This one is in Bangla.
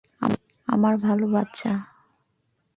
আমার ভাল বাচ্চা।